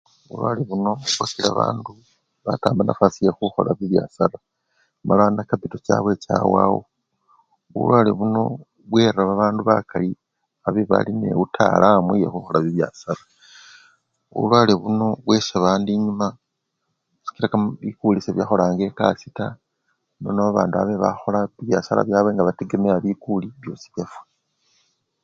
Bulwale buno bwakila babandu balekha khukhola bibyasara bala kapito chabwe chawawo, bulwale buno bwera babandu bakali abe bali ne butaalamu yekhukhola bibyasara, bulwale buno bwesha bandu enyuma sikila bikuli sebyakholanga ekasii taa nono abandu abe babakhola bibyasara byabwe nga bategemeya bikuli byosi byafwa.